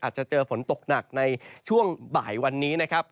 เจอฝนตกหนักในช่วงบ่ายวันนี้นะครับ